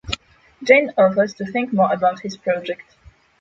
Jane offers to think more about his project.